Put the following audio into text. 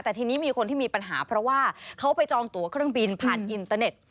แต่ทีนี้มีคนที่มีปัญหาเพราะว่าเขาไปจองตัวเครื่องบินผ่านอินเตอร์เน็ต